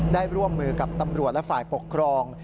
ร่วมมือกับตำรวจและฝ่ายปกครอง